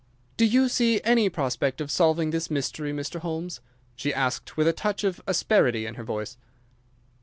"Do you see any prospect of solving this mystery, Mr. Holmes?" she asked, with a touch of asperity in her voice.